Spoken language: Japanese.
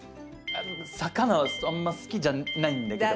魚はあんま好きじゃないんだけど。